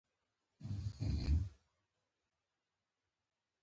زه د ساده خبرو مینوال یم.